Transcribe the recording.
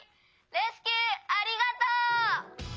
レスキューありがとう！」。